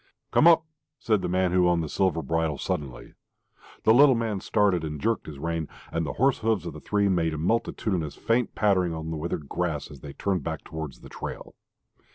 "Come up!" said the man who owned the silver bridle, suddenly. The little man started and jerked his rein, and the horse hoofs of the three made a multitudinous faint pattering upon the withered grass as they turned back towards the trail....